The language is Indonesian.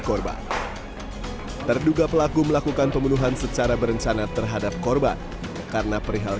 korban terduga pelaku melakukan pembunuhan secara berencana terhadap korban karena perihal